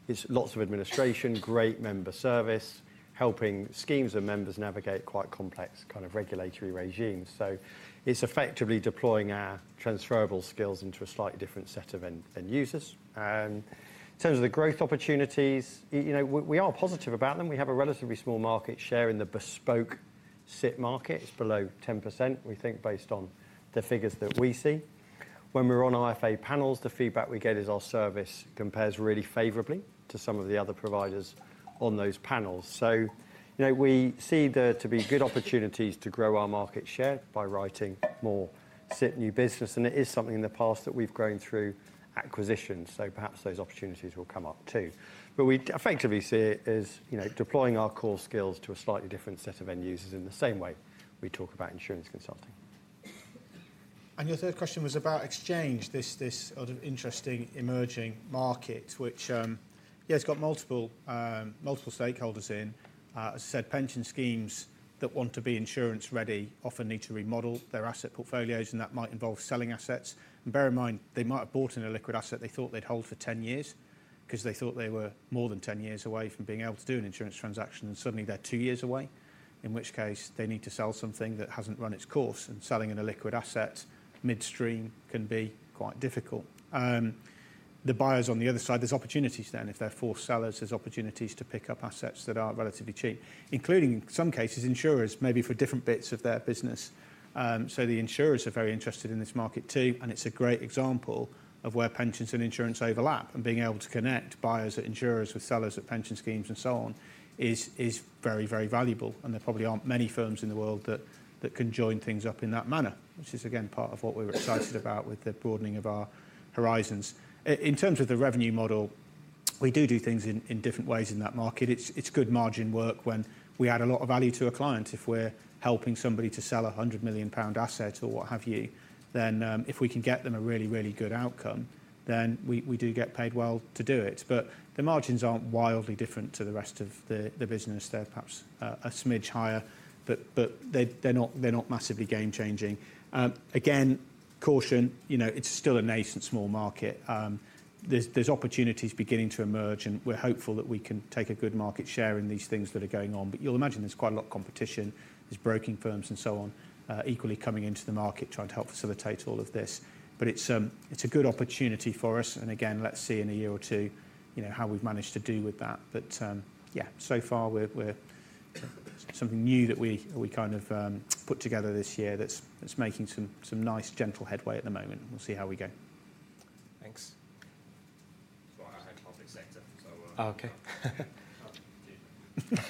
It's lots of administration, great member service, helping schemes and members navigate quite complex kind of regulatory regimes. It's effectively deploying our transferable skills into a slightly different set of end users. In terms of the growth opportunities, we are positive about them. We have a relatively small market share in the bespoke SIP market. It's below 10%, we think, based on the figures that we see. When we're on IFA panels, the feedback we get is our service compares really favorably to some of the other providers on those panels. We see there to be good opportunities to grow our market share by writing more SIP new business. It is something in the past that we've grown through acquisitions. Perhaps those opportunities will come up too. We effectively see it as deploying our core skills to a slightly different set of end users in the same way we talk about insurance consulting. Your third question was about Xchange, this sort of interesting emerging market, which, yeah, it's got multiple stakeholders in. As I said, pension schemes that want to be insurance-ready often need to remodel their asset portfolios, and that might involve selling assets. Bear in mind, they might have bought an illiquid asset they thought they'd hold for 10 years because they thought they were more than 10 years away from being able to do an insurance transaction. Suddenly, they're two years away, in which case they need to sell something that hasn't run its course. Selling an illiquid asset midstream can be quite difficult. The buyers on the other side, there's opportunities then. If they're forced sellers, there's opportunities to pick up assets that are relatively cheap, including, in some cases, insurers, maybe for different bits of their business. The insurers are very interested in this market too. It is a great example of where pensions and insurance overlap. Being able to connect buyers at insurers with sellers at pension schemes and so on is very, very valuable. There probably are not many firms in the world that can join things up in that manner, which is, again, part of what we are excited about with the broadening of our horizons. In terms of the revenue model, we do do things in different ways in that market. It is good margin work when we add a lot of value to a client. If we are helping somebody to sell a 100 million pound asset or what have you, then if we can get them a really, really good outcome, we do get paid well to do it. The margins are not wildly different to the rest of the business. They're perhaps a smidge higher, but they're not massively game-changing. Again, caution, it's still a nascent small market. There's opportunities beginning to emerge, and we're hopeful that we can take a good market share in these things that are going on. You'll imagine there's quite a lot of competition. There's broking firms and so on equally coming into the market trying to help facilitate all of this. It's a good opportunity for us. Again, let's see in a year or two how we've managed to do with that. Yeah, so far, we're something new that we kind of put together this year that's making some nice gentle headway at the moment. We'll see how we go. Thanks. I had public sector, so. Oh,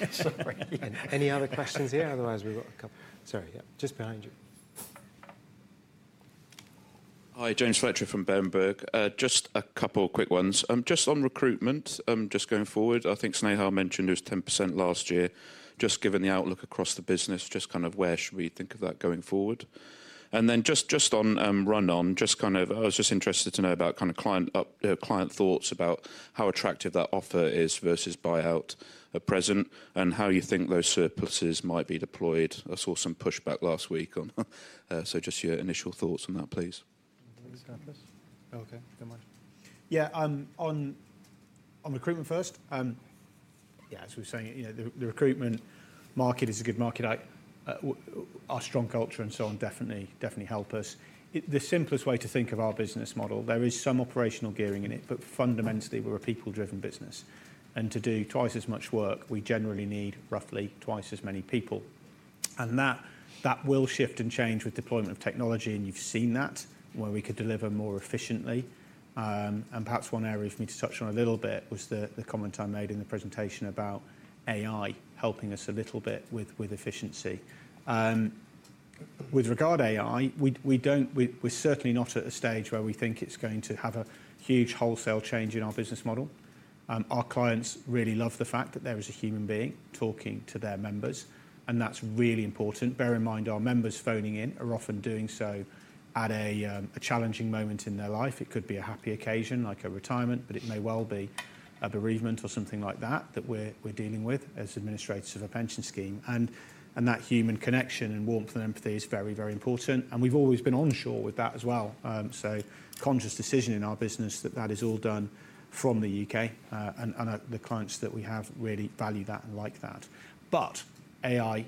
okay. Sorry. Any other questions here? Otherwise, we've got a couple. Sorry. Yeah, just behind you. Hi, James Fletcher from Berenberg. Just a couple of quick ones. Just on recruitment, just going forward, I think Snehal mentioned it was 10% last year. Just given the outlook across the business, just kind of where should we think of that going forward? Just on run-on, I was just interested to know about kind of client thoughts about how attractive that offer is versus buyout at present and how you think those surpluses might be deployed. I saw some pushback last week on that. Just your initial thoughts on that, please. Thanks, Thomas. Okay, good morning. Yeah, on recruitment first, yeah, as we were saying, the recruitment market is a good market. Our strong culture and so on definitely help us. The simplest way to think of our business model, there is some operational gearing in it, but fundamentally, we're a people-driven business. To do twice as much work, we generally need roughly twice as many people. That will shift and change with deployment of technology, and you've seen that, where we could deliver more efficiently. Perhaps one area for me to touch on a little bit was the comment I made in the presentation about AI helping us a little bit with efficiency. With regard to AI, we're certainly not at a stage where we think it's going to have a huge wholesale change in our business model. Our clients really love the fact that there is a human being talking to their members, and that is really important. Bear in mind, our members phoning in are often doing so at a challenging moment in their life. It could be a happy occasion like a retirement, but it may well be a bereavement or something like that that we are dealing with as administrators of a pension scheme. That human connection and warmth and empathy is very, very important. We have always been onshore with that as well. It is a conscious decision in our business that that is all done from the U.K. The clients that we have really value that and like that. AI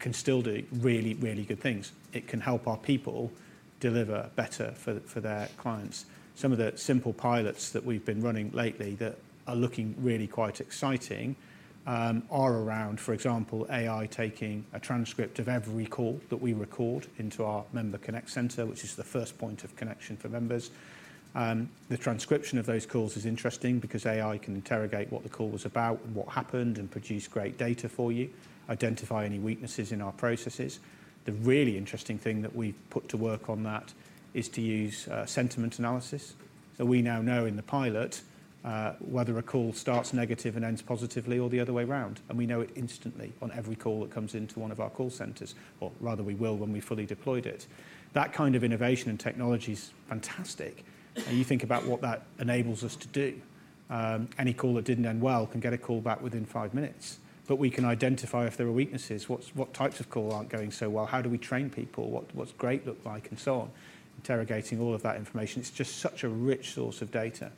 can still do really, really good things. It can help our people deliver better for their clients. Some of the simple pilots that we've been running lately that are looking really quite exciting are around, for example, AI taking a transcript of every call that we record into our member connect center, which is the first point of connection for members. The transcription of those calls is interesting because AI can interrogate what the call was about and what happened and produce great data for you, identify any weaknesses in our processes. The really interesting thing that we've put to work on that is to use sentiment analysis. We now know in the pilot whether a call starts negative and ends positively or the other way around. We know it instantly on every call that comes into one of our call centers, or rather, we will when we fully deployed it. That kind of innovation and technology is fantastic. You think about what that enables us to do. Any call that did not end well can get a call back within five minutes. We can identify if there are weaknesses, what types of call are not going so well, how do we train people, what does great look like, and so on, interrogating all of that information. It is just such a rich source of data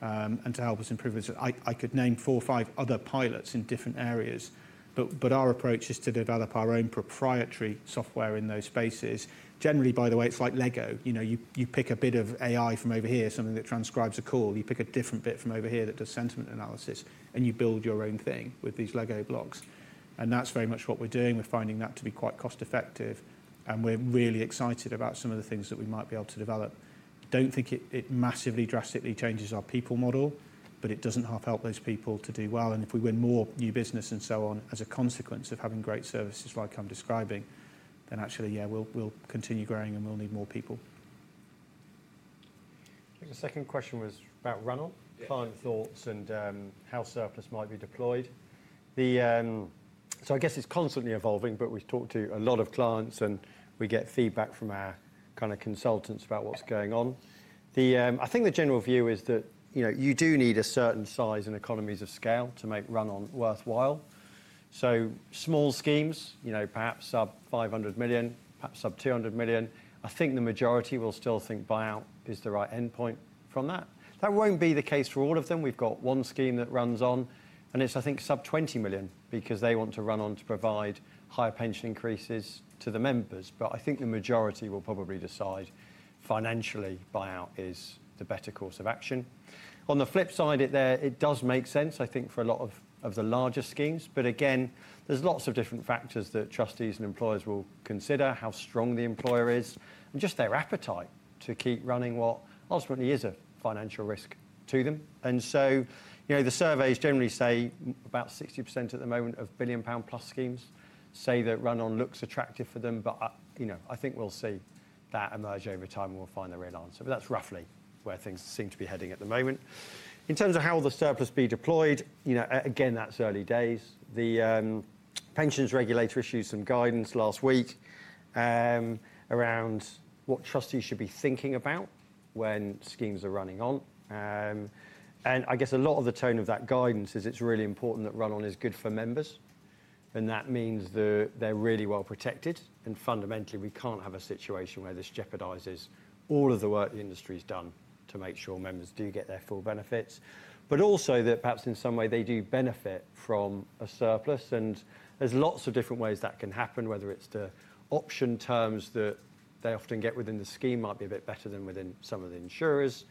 to help us improve. I could name four or five other pilots in different areas. Our approach is to develop our own proprietary software in those spaces. Generally, by the way, it is like Lego. You pick a bit of AI from over here, something that transcribes a call. You pick a different bit from over here that does sentiment analysis, and you build your own thing with these Lego blocks. That is very much what we are doing. We're finding that to be quite cost-effective. We are really excited about some of the things that we might be able to develop. I do not think it massively, drastically changes our people model, but it does help those people to do well. If we win more new business and so on as a consequence of having great services like I am describing, then actually, yeah, we will continue growing and we will need more people. The second question was about run-on, client thoughts, and how surplus might be deployed. I guess it's constantly evolving, but we've talked to a lot of clients, and we get feedback from our kind of consultants about what's going on. I think the general view is that you do need a certain size and economies of scale to make run-on worthwhile. Small schemes, perhaps sub-GBP 500 million, perhaps sub-GBP 200 million. I think the majority will still think buyout is the right endpoint from that. That will not be the case for all of them. We've got one scheme that runs on, and it's, I think, sub-GBP 20 million because they want to run on to provide higher pension increases to the members. I think the majority will probably decide financially buyout is the better course of action. On the flip side of it there, it does make sense, I think, for a lot of the larger schemes. Again, there's lots of different factors that trustees and employers will consider, how strong the employer is, and just their appetite to keep running what ultimately is a financial risk to them. The surveys generally say about 60% at the moment of billion-pound-plus schemes say that run-on looks attractive for them. I think we'll see that emerge over time and we'll find the real answer. That's roughly where things seem to be heading at the moment. In terms of how the surplus be deployed, again, that's early days. The pensions regulator issued some guidance last week around what trustees should be thinking about when schemes are running on. A lot of the tone of that guidance is it's really important that run-on is good for members. That means that they're really well protected. Fundamentally, we can't have a situation where this jeopardizes all of the work the industry has done to make sure members do get their full benefits, but also that perhaps in some way they do benefit from a surplus. There are lots of different ways that can happen, whether it's the option terms that they often get within the scheme might be a bit better than within some of the insurers,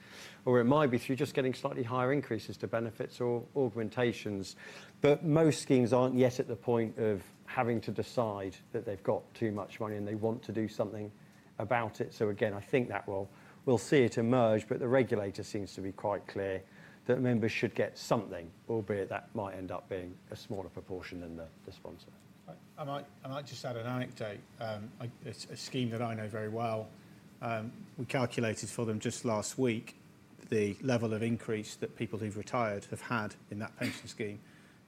or it might be through just getting slightly higher increases to benefits or augmentations. Most schemes aren't yet at the point of having to decide that they've got too much money and they want to do something about it. I think that we'll see it emerge. The regulator seems to be quite clear that members should get something, albeit that might end up being a smaller proportion than the sponsor. I might just add an anecdote. It's a scheme that I know very well. We calculated for them just last week the level of increase that people who've retired have had in that pension scheme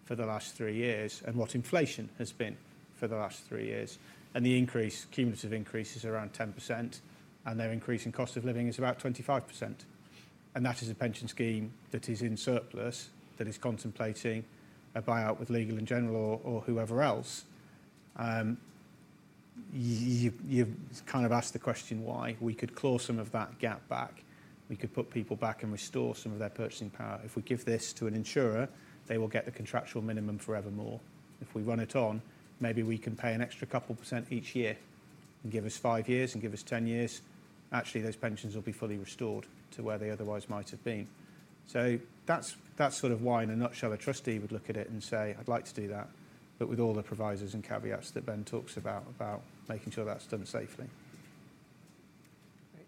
for the last three years and what inflation has been for the last three years. The increase, cumulative increase, is around 10%. Their increase in cost of living is about 25%. That is a pension scheme that is in surplus that is contemplating a buyout with Legal & General or whoever else. You've kind of asked the question why. We could claw some of that gap back. We could put people back and restore some of their purchasing power. If we give this to an insurer, they will get the contractual minimum forevermore. If we run it on, maybe we can pay an extra couple % each year and give us five years and give us 10 years. Actually, those pensions will be fully restored to where they otherwise might have been. That is sort of why, in a nutshell, a trustee would look at it and say, "I'd like to do that," but with all the provisos and caveats that Ben talks about, about making sure that is done safely. Great.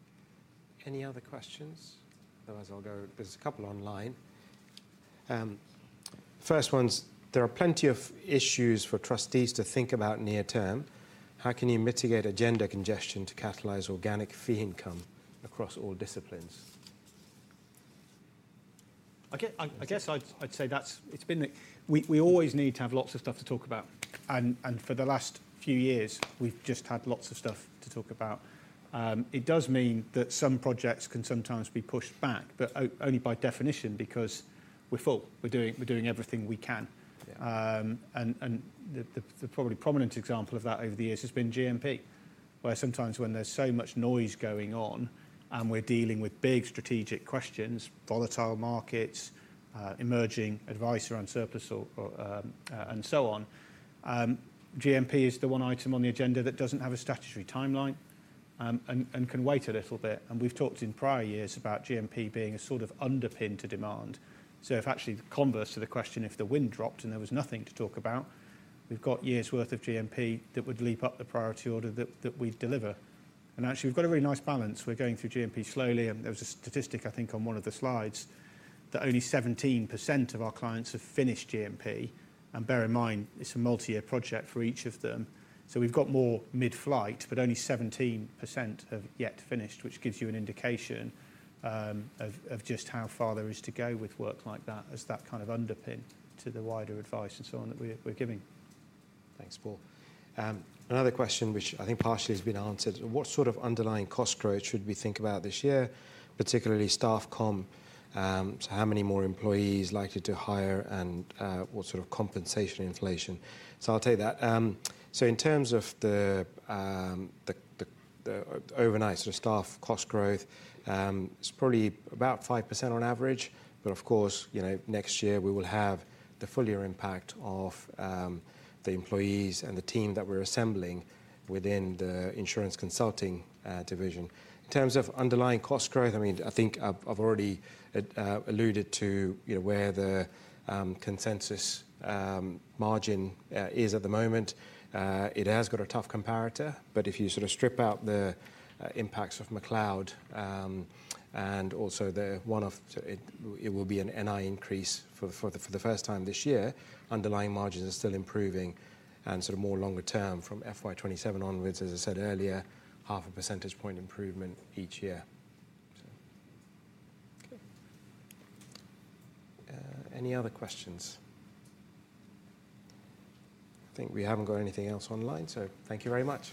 Any other questions? Otherwise, I'll go. There are a couple online. First one's, there are plenty of issues for trustees to think about near term. How can you mitigate agenda congestion to catalyze organic fee income across all disciplines? I guess I'd say it's been that we always need to have lots of stuff to talk about. For the last few years, we've just had lots of stuff to talk about. It does mean that some projects can sometimes be pushed back, but only by definition because we're full. We're doing everything we can. The probably prominent example of that over the years has been GMP, where sometimes when there's so much noise going on and we're dealing with big strategic questions, volatile markets, emerging advice around surplus and so on, GMP is the one item on the agenda that doesn't have a statutory timeline and can wait a little bit. We've talked in prior years about GMP being a sort of underpin to demand. If actually converse to the question, if the wind dropped and there was nothing to talk about, we've got years' worth of GMP that would leap up the priority order that we deliver. Actually, we've got a really nice balance. We're going through GMP slowly. There was a statistic, I think, on one of the slides that only 17% of our clients have finished GMP. Bear in mind, it's a multi-year project for each of them. We've got more mid-flight, but only 17% have yet finished, which gives you an indication of just how far there is to go with work like that as that kind of underpin to the wider advice and so on that we're giving. Thanks, Paul. Another question, which I think partially has been answered. What sort of underlying cost growth should we think about this year, particularly staff comm? So how many more employees likely to hire and what sort of compensation inflation? So I'll take that. In terms of the overnight sort of staff cost growth, it's probably about 5% on average. Of course, next year, we will have the full year impact of the employees and the team that we're assembling within the insurance consulting division. In terms of underlying cost growth, I mean, I think I've already alluded to where the consensus margin is at the moment. It has got a tough comparator. If you sort of strip out the impacts of McCloud and also the one of it will be an NI increase for the first time this year. Underlying margins are still improving and sort of more longer term from FY2027 onwards, as I said earlier, half a percentage point improvement each year. Any other questions? I think we haven't got anything else online, so thank you very much.